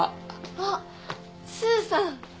あっスーさん！